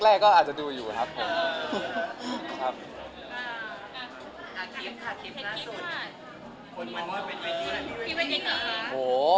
ตอนแรกก็อาจจะดูอยู่ครับผม